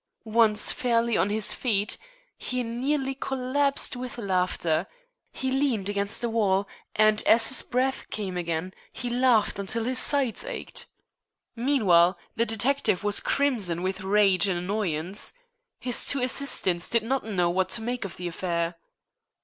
Once fairly on his feet, he nearly collapsed with laughter. He leaned against the wall, and, as his breath came again, he laughed until his sides ached. Meanwhile the detective was crimson with rage and annoyance. His two assistants did not know what to make of the affair.